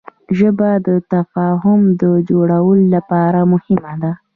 ژبه د تفاهم د جوړولو لپاره مهمه ده